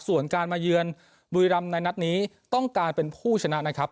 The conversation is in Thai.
ส่วนการมาเยือนบุรีรำในนัดนี้ต้องการเป็นผู้ชนะนะครับ